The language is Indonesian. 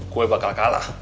gue bakal kalah